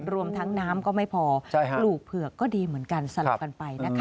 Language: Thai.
รวมทั้งน้ำก็ไม่พอปลูกเผือกก็ดีเหมือนกันสลับกันไปนะคะ